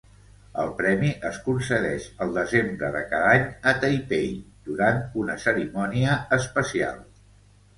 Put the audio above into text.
El premi es concedeix el desembre de cada any a Taipei durant una cerimònia especial.